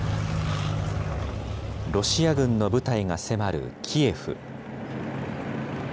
ロシア軍の部隊が迫るキエフ。